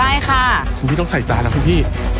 ได้ค่ะคุณพี่ต้องใส่จานนะคุณพี่๕๔๓๒๑